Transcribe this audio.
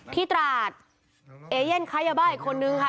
ตราดเอเย่นค้ายาบ้าอีกคนนึงค่ะ